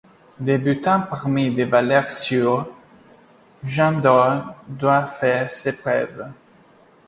Débutant parmi des valeurs sûres, Jean Corne doit faire ses preuves.